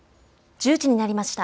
１０時になりました。